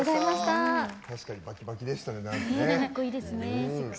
確かにバキバキでしたね。